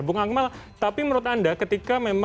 bung akmal tapi menurut anda ketika memang sistem ini sudah berubah